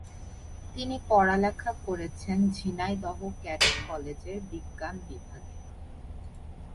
তিনি পড়ালেখা করেছেন ঝিনাইদহ ক্যাডেট কলেজের বিজ্ঞান বিভাগে।